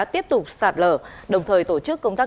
tiếp tục sạt lở đồng thời tổ chức công tác